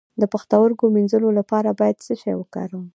د پښتورګو د مینځلو لپاره باید څه شی وکاروم؟